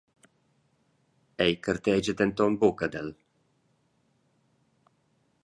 Ei gartegia denton buc ad el.